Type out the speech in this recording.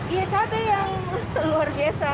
iya cabai yang luar biasa